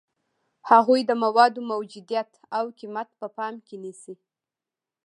هغوی د موادو موجودیت او قیمت په پام کې نیسي.